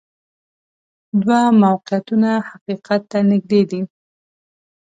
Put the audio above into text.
دوه موقعیتونه حقیقت ته نږدې دي.